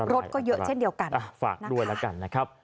รถก็เยอะเช่นเดียวกัน